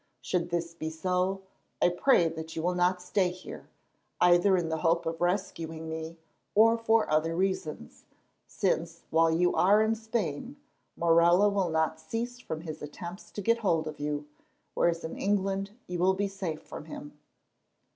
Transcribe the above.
Should this be so, I pray that you will not stay here, either in the hope of rescuing me, or for other reasons; since, while you are in Spain, Morella will not cease from his attempts to get hold of you, whereas in England you will be safe from him."